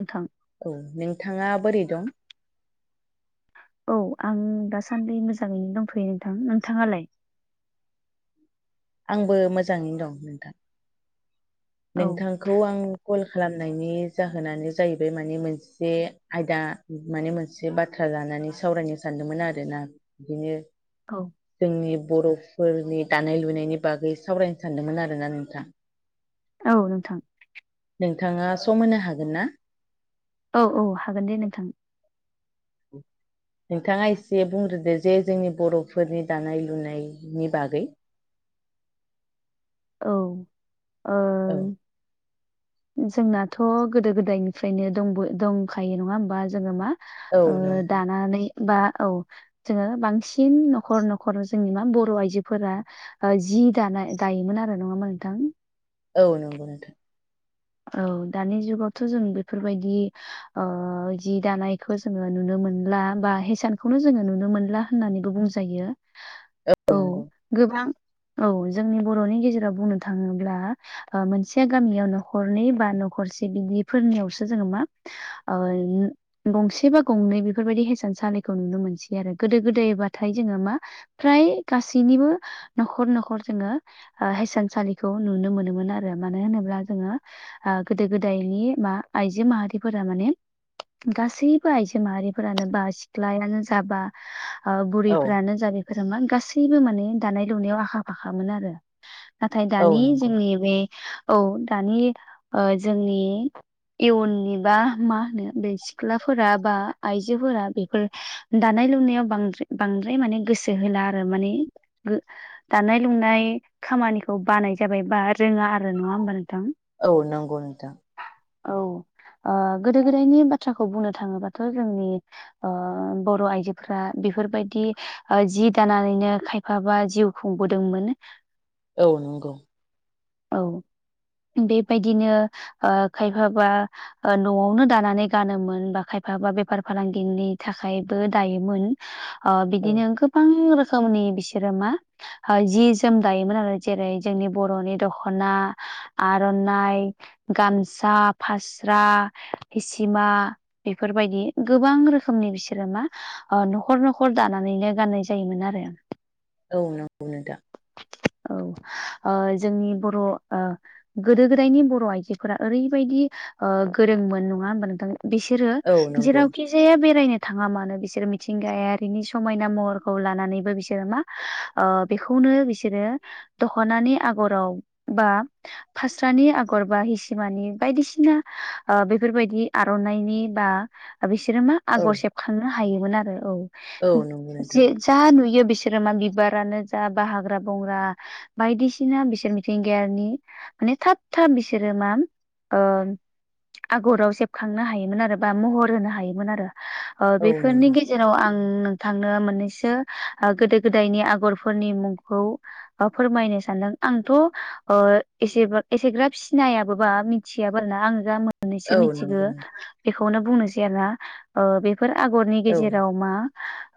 नोंथां। औ नोंथाङा बोरै दं। औ आं दासान्दि मोजाङैनो दंथ'यो नोंथां नोंथाङालाय। आंबो मोजाङैनो दं नोंथां। औ नोंथांखौ आं कल खालामनायनि जाहोनानो जाहैबाय माने मोनसे आयदा माने मोनसे से बाथ्रा लानानै सावरायनो सानदोंमोन आरोना बिदिनो औ। जोंनि बर'फोरनि दानाय लुनायनि बागै सावरायनो सानदोंमोन आरोना नोंथां। औ नोंथां। नोंथाङा सम होनो हागोन ना? औ औ हागोन दे नोंथां। [inaudible] नोंथाङा एसे बुंग्रोदो जे जोंनि बर'फोरनि दानाय लुनायनि बागै। औ औ ओ। जोंनाथ' गोदो गोदायनिफ्रायनो दंबो दंखायो नङा होमबा जोङो मा औ ओ नंगौ दानानै बा औ। जोङो बांसिन न'खर न'खर जोंङो मा बर' आइजोफोरा ओ जि दानाय दायोमोन आरो नङा होनबा नोंथां। औ नंगौ नोंथां। औ दानि जुगावथ' जों बेफोरबायदि ओ जि दानायखौ जोङो नुनो मोनला बा हिसानखौनो जोङो नुनो मोनला। होननानैबो बुंजायो औ। गोबां औ जोंनि बर'नि गेजेराव बुंनो थाङोब्ला ओ मोनसे गामियावनो न'खरनै बा न'खरसे बिदिफोरनियावसो जोङो मा ओ नु गंसे बा गंनै बेफोरबायदि हेसान सालिखौ नुनो मोनसै आरो गोदो गोदायबाथाय जोङो मा फ्राय गासैनिबो न'खर न'खर जोङो। ओ हेसानसालिखौ नुनो मोनोमोन आरो मानो होनोब्ला जोङो आ गोदो गोदायनि बा आइजो माहारिफोरा माने। गासैबो आइजो माहारिफोरानो बा सिख्लायानो जा बा ओ औ बुरैफ्रानो जा बे गोदो मा गासैबो माने दानाय लुनायाव आखा फाखामोनो आरो। नाथाय औ दानि नंगौ जोंनि बे औ दानि ओ जोंनि इयुननि बा मा होनो बे सिख्लाफोरा बा आइजोफोरा बेफोर दानाय लुनायाव बांद्रा बांद्राय माने गोसो होला आरो माने गो दानाय लुनाय खामानिखौ बानाय जाबाय बा रोङा आरो नङा होमबा नोंथां। औ नंगौ नोंथां। औ ओ गोदो गोदायनि बाथ्राखौ बुंनो थाङोबाथ' जोंनि ओ बर' आइजोफोरा बेफोरबायदि। ओ जि दानानैनो खायफाबा जिउ खुंबोदोंमोन। औ नंगौ। औ बेबायदिनो ओ खायफा बा ओ न'आवनो दानानै गानोमोन बा खायफा बा बेफार फालांगिनि थाखायबो दायोमोन। ओ औ बिदिनो गोबां रोखोमनि बिसोरो मा ओ जि जोम दायोमोन आरो जेरै जोंनि बर'नि दख'ना आर नाय गामसा फास्रा इसिमा बेफोरबायदि गोबां रोखोमनि बिसोरो मा ओ न'खर न'खर दानानैनो गाननाय जायोमोन आरो। औ नंगौ नोंथां। औ ओ जोंनि बर' ओ - गोदो गोदायनि बर' आइजोफोरा ओरैबायदि ओ गोरोंमोन नङा होनबा नोंथां मो! बिसोरो औ नंगौ जेरावखि - जे बेरायनो थाङा मानो बिसोरो मिथिंगायारिनि समायना महरखौ लानानैबो बिसोरो मा - ओ बेखौनो बिसोरो दख'नानि आगराव बा, फास्रानि आगर बा हिसिमानि बायदिसिना ओ बेफोरबायदि आर'नाइनि बा, बिसोरो मा औ आगर सेबखांनो हायोमोन आरो औ नंगौ नोंथां जे! जा नुयो बिसोरो मा बिबारानो जा बा हाग्रा बंग्रा, बायदिसिना बिसोर मिथिंगायारिनि, माने थाब थाब बिसोरो मा ओ - आगराव सेबखांनो हायोमोन आरो बा महर होनो हायोमोन आरो ओ औ बेफोरनि नंगौ गेजेराव! जेराव आं नोंथांनो मोननैसो गोदो गोदायनि आगरफोरनि मुंखौ, फोरमायनो सानदों आंथ' ओ, एसेब एसेग्राब सिनायाबो बा मिथियाबो आरो ना आं जा मोननैसो औ मिथिगो! नंगौ नोंथां बेखौनो बुंनोसै आरोना ओ बेफोर आगरनि औ गेजेराव मा,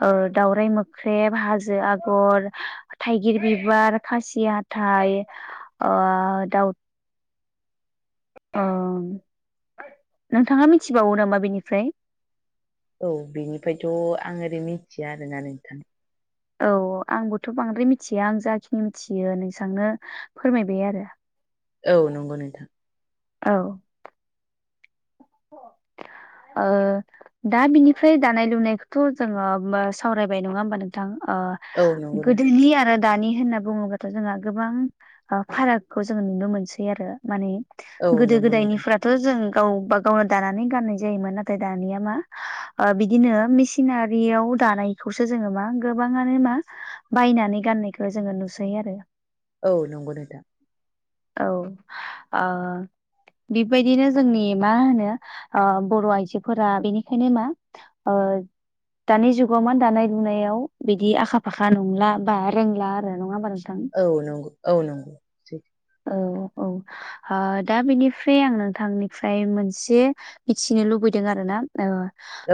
ओ दाउराइ मोख्रेब हाजो आगर, थाइगिर बिबार खासि हाथाइ ओ दाउ! ओं नोंथाङा मिथिबावो नामा बेनिफ्राय? औ बेनिफाय थ' आं ओरै मिथिया आरोना नोंथां! औ आंबोथ' बांद्राय मिनथिया आं जाखिनि मिथियो इसांनो फोरमायबाय आरो! औ नंगौ नोंथां! औ! ओ? दा बिनिफ्राय दानाय लुनायखौथ' जोङो सावरायबाय नङा होमबा नोंथां ओ, औ नंगौ नोंथां गोदोलि आरो दानि होनना बुङोबाथ' जोंहा गोबां फारागखौ जोङो नुनो मोनसै आरो! माने औ गोदो नंगौ नोंथां गोदायनिफोराथ' जों गावबा - गावनो दानानै गाननाय जायोमोन नाथाय दानिया मा ओ बिदिनो मेसिनारियाव दानाय - खौसो जोङो मा गोबाङानो मा बायनानै गाननायखौ जोङो नुसै आरो! औ नंगौ नोथां! औ ओ - बिबायदिनो जोंनि मा होनो ओ बर' आइजोफोरा बेनिखायनो मा - ओ! दानि जुगाव मा दानाय लुनायाव बिदि आखा फाखा नंला बा रोंला आरो नङा होनबा नोंथां? औ नंगौ औ नंगौ! सैथो औ औ! हा दा बेनिफ्राय आं नोंथांनिफ्राय मोनसे मिथिनो लुबैदों आरो ना? ओ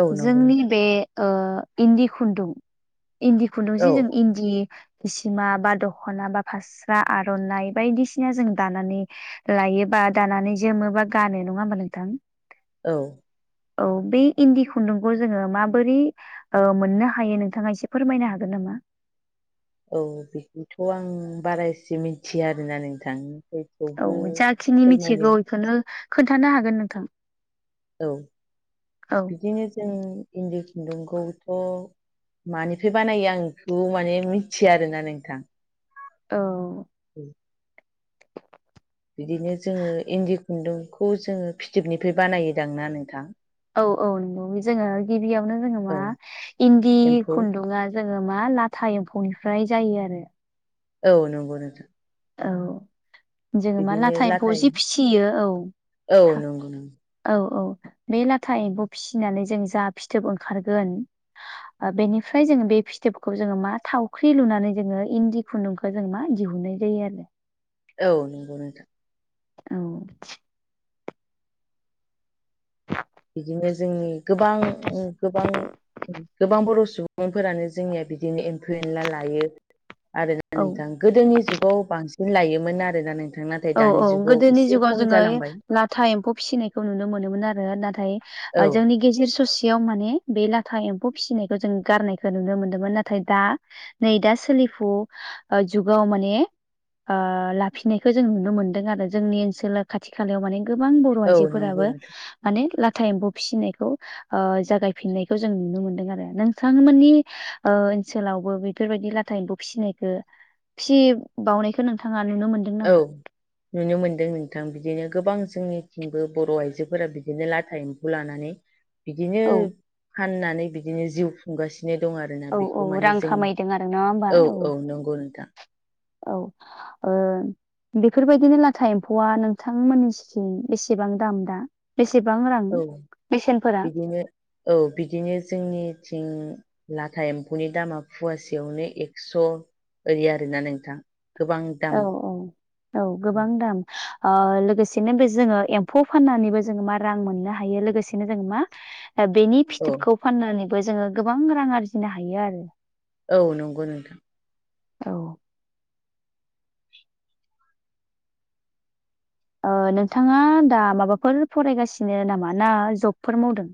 औ नंगौ जोंनि नोंथां बे ओ इन्दि खुन्दुं इन्दि - खुन्दुंजि औ जों इन्दि हिसिमा बा दख'ना बा फास्रा आर'नाइ बायदिसि- सिना दानानै लायोबा दानानै जोमोबा गानो नङा होनबा नोंथां! औ! औ बे इन्दि खुन्दुंखौ जोङो माबोरै - ओ मोननो हायो नोंथाङा एसे फोरमायनो हागोन नामा? औ बिखौथ' आं बारासे मिथिया आरोना नोंथां- औ जाखिनि मिथिगौ फोरमायनाय बेखौनो खोन्थानो हागोन नोंथां! औ औ। बिदिनो जों इन्दि खुन्दुंखौथ' मानिफ्राय बानायो आं बेखौ माने मिथिया आरोना नोंथां। औ। उम। बिदिनो जोङो इन्दि खुन्दुंखौ जोङो फिथोबनिफ्राय बानायोदां ना नोंथां? औ औ। नुयो जोङो गिबियावनो जोङो मा? औ इन्दि एम्फौ खुन्दुङा जोङो मा लाथा एम्फौनिफ्राय जायो आरो। औ नंगौ नोंथां। औ जोङो मा लाथा एम्फौ जि फिसियो औ। औ नंगौ नंगौ। औ औ। बे लाथा एम्बौ फिसिनानै जों जा फिथोब ओंखारगोन बेनिफ्राय जोङो बे फिथोबखौ जोङो मा थावख्रि लुनानै जोङो इन्दि खुन्दुंखौ जों मा दिहुननाय जायो आरो। औ नंगौ नोंथां। औ। बिदिनो जोंनि गोबां गोबां गोबां बर' सुबुंफोरानो जोंनिया बिदिनो एम्फौ एन्ला लायो आरोना औ नोंथां। गोदोनि जुगाव बांसिन लायोमोन आरोना नोंथां? ना औ औ। गोदोनि जुगाव जोङो ओइ ला था एम्फौ फिसिनायखौ नुनो मोनोमोन आरो नाथाय औ जोंनि गेजेर ससेयाव माने बे लाथा एम्फौ फिसिनायखौ जों गारनायखौ नुनो मोन्दोंमोन, नाथाय दा नै दा सोलिफु जुगाव माने ओ लाफिननाय खौ जों नुनो मोनदों आरो। जोंनि ओनसोल खाथि खालायाव माने गोबां बर' औ नंगौ आइजोफोराबो नोंथां माने लाथा एम्फौ फिसिनायखौ ओ जागायफिननायखौ जों नुनो मोन्दों आरो। नोंथां मोननि ओ ओनसोलावबो बेफोरबायदि लाथा एम्फौ फिसिनायखो फिसि बावनायखौ नोंथाङा नुनो मोन औ। नुनो मोनदों नोंथां। बिदिनो गोबां जोंनिथिंबो बर' आइजोफोरा बिदिनो लाथा एम्फौ लानानै बिदिनो औ फाननानै बिदिनो जिउ खुंगासि नो दं आरोना औ औ बेखौ माने रां जों, खामायदों आरो नङा होमबा औ औ नंगौ नोंथां। औ। ओ बेफोरबायदिनो लाथा एम्फौआ नोंथांमोननिथिं बेसेबां दाम दा? बेसेबां रां? औ। बेसेनफोरा बिदिनो, औ बिदिनो जोंनिथिं लाथा एम्फौनि दामा फवासेयावनो एक्स' ओरि आरो ना नोंथां। गोबां दाम औ औ। औ गोबां दाम। ओ लोगोसेनो बे जोङो एम्फौ फाननानैबो जोङो मा रां मोननो हायो लोगोसेनो जों मा? बेनि औ फिथोबखौ फाननानैबो जोङो गोबां रां आरजिनो हायो आरो। औ नंगौ नोथां। औ। ओ नोंथाङा दा माबाफोर फरायगासिनो नामा? ना जबफोर मावदों?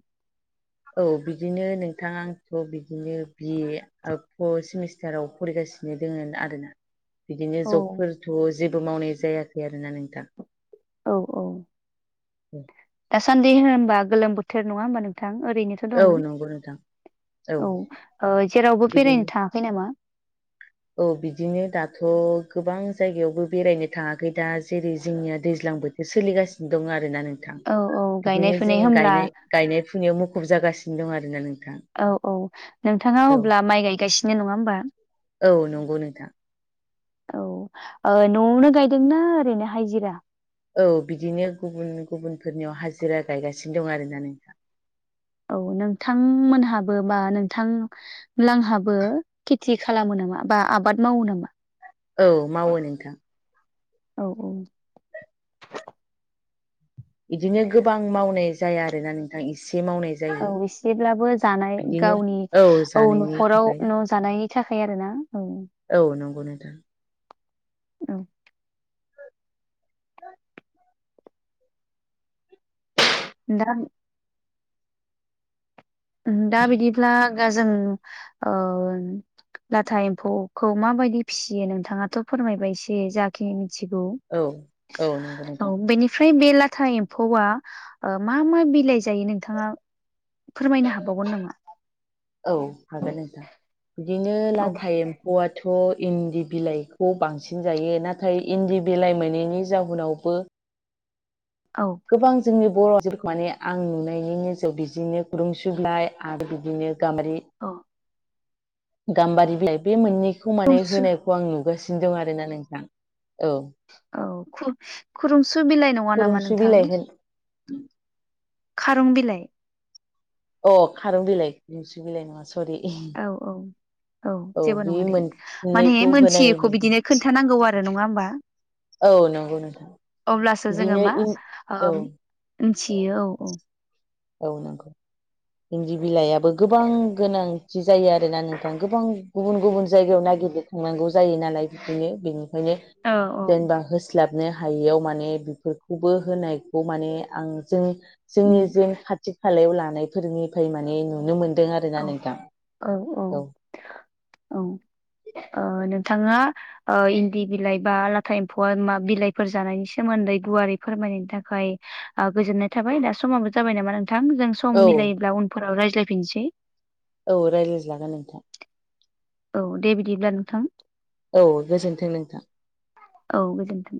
औ बिदिनो नोंथां आंथ' बिदिनो बि ए ओ फर सेमिस्टाराव फरायगासिनो दोङो आरोना। बिदिनो औ जबफोरथ' जेबो मावनाय जायाखै आरोना नोंथां। औ औ। उम दासान्दि होनबा गोलोम बोथोर नङा होमबा नोंथां ओरैनोथ' औ दं नंगौ नोंथां औ ओ जेरावबो बिदिनो बेरायनो थाङाखै नामा? औ बिदिनो दाथ' गोबां जायगायावबो बेरायनो थाङाखै दा जेरै जोंनिया दैज्लां बो सोलिगासिनो दं आरोना नोंथां औ औ गायनाय बिदिनो जों फुनाय होमब्ला गायनाय गायनाय फुनायाव मुखुब जागासिनो दं आरोना नोंथां। औ औ नोंथाङा औ अब्ला माइ गायगासिनो नङा होमबा? औ नंगौ नोंथां। औ ओ न'आवनो गायदोंना ओरैनो हायजिरा? औ बिदिनो गुबुन गुबुनफोरनियाव हाजिरा गायगासिनो दं आरो ना नोंथां। औ नोंथांमोनहाबो बा नोंथां लांहाबो खेथि खालामो नामा बा आबाद मावो नामा? औ मावो नोंथां। औ औ। बिदिनो गोबां मावनाय जाया आरो ना नोंथां इसे मावनाय औ जायो इसेब्लाबो जानाय बिदिनो गावनि औ जानायनि न'खराव थाखाय न' जानायनि थाखाय आरो ना औ उम। औ नंगौ नोंथां। उम। [inaudible] [unintelligible] उम दा बिदिब्ला गा जों ओ लाथा एम्फौखौ माबायदि फिसियो नोंथाङाथ' फोरमायबाय इसे जाखिनि मिथिगौ। औ औ नंगौ औ नोंथां बेनिफ्राय बे लाटा एम फौआ मा मा बिलाइ जायो नोंथाङा फोरमायनो हाबावगोन नामा? औ हागोन नोंथां बिदिनो औ लाथा एम्फौआथ' इन्दि बिलाइखौ बांसिन जायो नाथाय इन्दि बिलाइ मोनैनि जाउनावबो औ। गोबां जोंनि बर' आयजोफोरखौ माने आं नुनायनि नोजोराव बिदिनो खुरुमसु बिलाइ आरो बिदिनो गामबारि अ। गाम्बारि बिलाइ बे मोननैखौ माने खुरुमसु होनायखौ आं नुगासिनो दं आरोना नोंथां औ। औ खुरुमसु बिलाइ नङा नामा खुरुमसु नोंथां? बिलाइ होन खारं बिलाइ। अ खारं बिलाइ खुरुमसु बिलाइ नङा सरि। औ औ औ जेबो बे नङा दे माने मोननैखौ होनाय मोनथियैखौ बिदिनो खोन्थानांगौ आरो नङा होमबा? औ नंगौ नोंथां अब्लासो जोङो बिदिनो मा इन ओ औ मिथियो औ औ। औ नंगौ। इनदि बिलायाबो गोबां गोनांथि जायो आरोना नोंथां गोबां गुबुन गुबुन जायगायाव नागिर हैनांगौ जायो नालाय बिदिनो बेनिखायनो औ औ जों दा होसि स्लाबनो हायैयाव माने बेफोरखौबो होनायखौ माने आं जों जोंनि उम जेन खाथि खालायाव लानायफोरनिफ्राय माने नुनो मोनदों आरो। [inaudible] ना औ नोंथां औ। औ ओ नोंथाङा। ओ इन्दि बिलाइ बा लाथा एम्फौआ मा बिलाइफोर जानायनि सोमोन्दै गुवारै फोरमायनायनि थाखाय आ गोजोननाय थाबाय दा समाबो जाबाय नामा नोंथां जों औ सम मिलायोब्ला उनफोराव रायज्लायफिनसै। औ रायज्लायजागोन नोंथां। औ दे बिदिब्ला नोंथां। औ गोजोन्थों नोंथां। औ गोजोनथों।